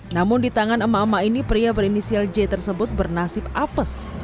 namun di tangan emak emak ini pria berinisial j tersebut bernasib apes